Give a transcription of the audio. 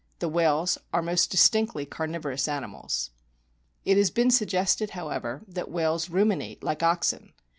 The whales are most distinctly carnivorous animals. It has been suggested, however, that whales ruminate like oxen.